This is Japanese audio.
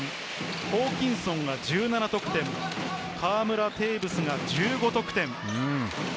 ホーキンソンが１７得点、河村、テーブスが１５得点。